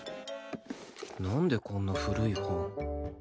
なんでこんな古い本？